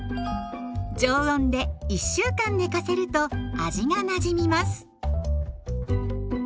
常温で１週間寝かせると味がなじみます。